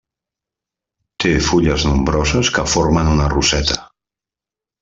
Té fulles nombroses que formen una roseta.